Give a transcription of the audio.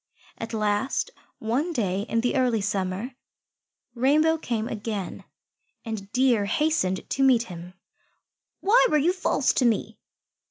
At last, one day in the early summer, Rainbow came again, and Deer hastened to meet him. "Why were you false to me?"